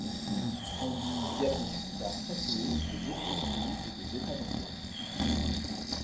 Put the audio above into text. On lui diagnostiqua très tôt des obsessions et des états d'angoisse.